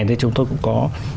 thì chúng tôi cũng có